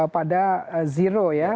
pada zero ya